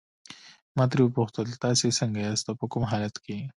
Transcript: ما ترې وپوښتل تاسي څنګه یاست او په کوم حالت کې.